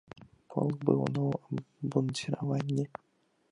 Полк быў у новым абмундзіраванні.